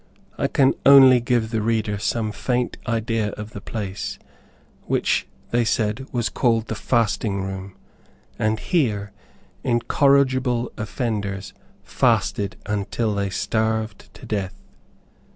I can only give the reader some faint idea of the place, which, they said, was called the fasting room, and here incorrigible offenders fasted until they starved to death.